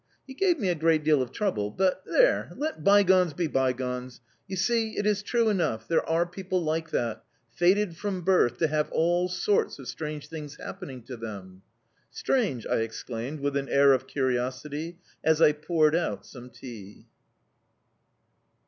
He gave me a great deal of trouble but there, let bygones be bygones!... You see, it is true enough, there are people like that, fated from birth to have all sorts of strange things happening to them!" "Strange?" I exclaimed, with an air of curiosity, as I poured out some tea.